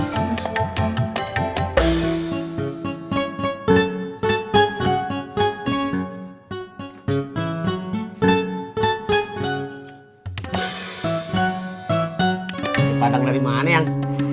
nasi padang dari mana yang